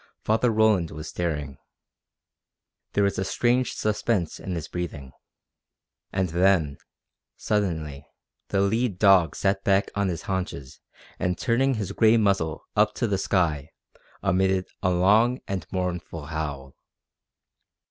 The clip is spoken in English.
Father Roland was staring. There was a strange suspense in his breathing. And then, suddenly, the lead dog sat back on his haunches and turning his gray muzzle up to the sky emitted a long and mournful howl.